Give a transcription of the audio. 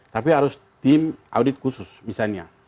tapi harus tim audit khusus misalnya